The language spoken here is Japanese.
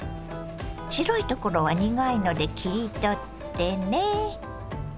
白いところは苦いので切り取ってね。